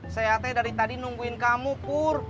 saya ternyata dari tadi nungguin kamu kur